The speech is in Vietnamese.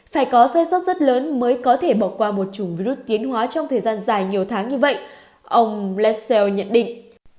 phải có sai sót rất lớn mới có thể bỏ qua một chủng virus tiến hóa trong thời gian dài nhiều tháng như vậy ông bles nhận định